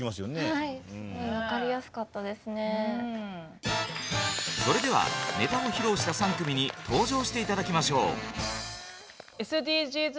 それではネタを披露した３組に登場して頂きましょう。